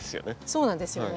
そうなんですよね。